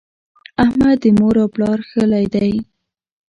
احمد د مور او پلار ښهلی دی.